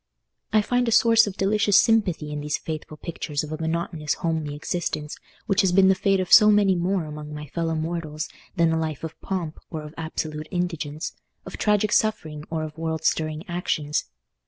I find a source of delicious sympathy in these faithful pictures of a monotonous homely existence, which has been the fate of so many more among my fellow mortals than a life of pomp or of absolute indigence, of tragic suffering or of world stirring actions.